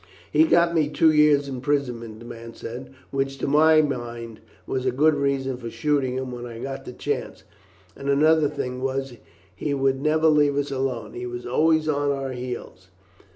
"He got me two years' imprisonment," the man said, "which to my mind was a good reason for shooting him when I got the chance; and another thing was he would never leave us alone, but was always on our heels.